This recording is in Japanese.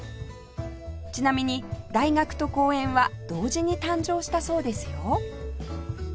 ちなみに大学と公園は同時に誕生したそうですよ